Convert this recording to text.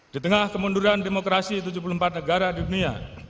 di tengah kemunduran demokrasi tujuh puluh empat negara di dunia